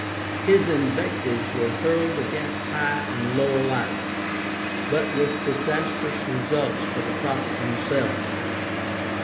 His invectives were hurled against high and low alike, but with disastrous results for the prophet himself.